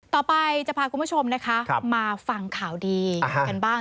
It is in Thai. ต่อไปจะพาคุณผู้ชมนะคะมาฟังข่าวดีกันบ้าง